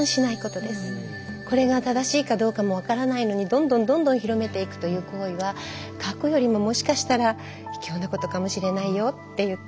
これが正しいかどうかも分からないのにどんどんどんどん広めていくという行為は書くよりももしかしたら卑怯なことかもしれないよっていって。